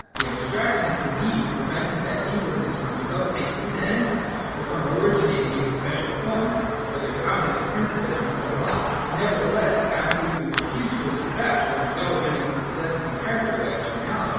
Its abstractness indeed prevented that inwardness from de veloping into anything, or from originating anj^ special forms, whether cognitive principles or moral laws ; but nevertheless it absolutely refused to accept or indulge anything possessing the character of an externality.